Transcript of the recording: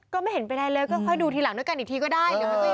ก็ไม่เห็นไปได้เลยก็ค่อยดูทีหลังด้วยกันอีกทีก็ได้